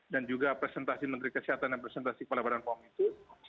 dan juga presentasi menteri kesehatan dan presentasi kepala badan pom itu